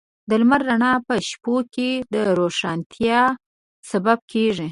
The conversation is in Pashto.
د لمر رڼا په شپو کې د روښانتیا سبب کېږي.